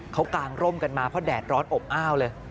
เขากางร่มกันมาเพราะแดดร้อนอบอ้าวเลย